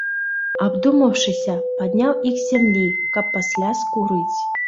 Абдумаўшыся, падняў іх з зямлі, каб пасля скурыць.